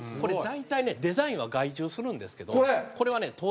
大体ねデザインは外注するんですけどこれはね